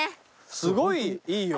すごいいいよ！